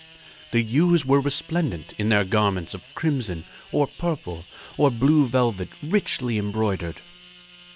The youths were resplendent in their garments of crimson or purple or blue velvet, richly embroidered.